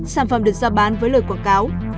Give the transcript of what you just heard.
sản phẩm được ra bán với lời quảng cáo